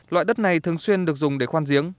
loại đất này thường xuyên được dùng để khoan giếng